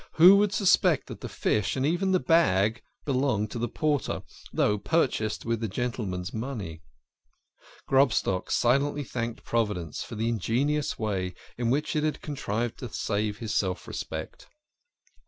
Who would suspect that the fish and even the bag belonged to the porter, though purchased with the gentleman's money? Grobstock silently thanked Provi dence for the ingenious way in which it had contrived to save his self respect.